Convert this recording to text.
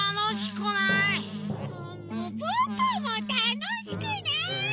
ポッポもたのしくない！